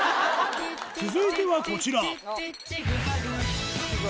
続いてはこちら。